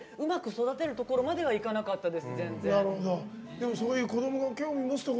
うまく育てるところまではいかなかったです。